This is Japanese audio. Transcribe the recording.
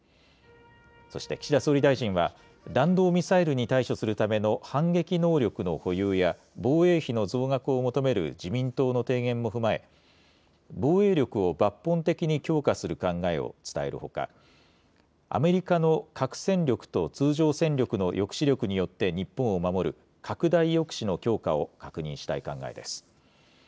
そして岸田総理大臣は弾道ミサイルに対処するための反撃能力の保有や防衛費の増額を求める自民党の提言も踏まえ防衛力を抜本的に強化する考えを伝えるほかアメリカの核戦力と通常戦力の抑止力によって日本を守る拡大抑止の強化を確認したい考えです。